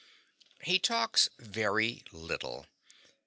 He talks very little.